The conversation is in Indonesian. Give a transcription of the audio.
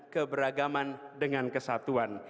keberagaman dengan kesatuan